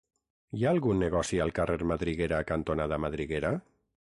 Hi ha algun negoci al carrer Madriguera cantonada Madriguera?